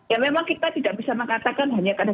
ya memang kita tidak bisa mengatakan hanya karena